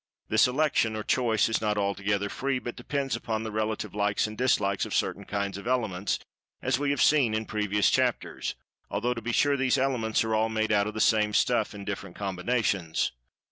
This "election" or "choice" is not altogether free, but depends upon the relative likes and dislikes of certain "kinds" of elements, as we have seen in previous chapters, although, to be sure, these Elements are all made out of the same "stuff" in different combinations.